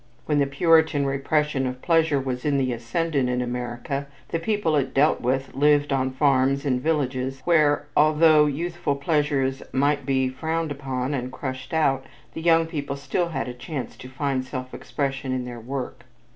When the Puritan repression of pleasure was in the ascendant in America the people it dealt with lived on farms and villages where, although youthful pleasures might be frowned upon and crushed out, the young people still had a chance to find self expression in their work.